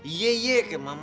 iya iya keren banget